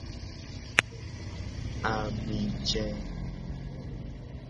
Ami je.